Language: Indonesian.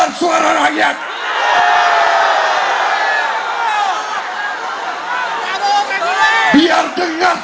makanya ini adalah tes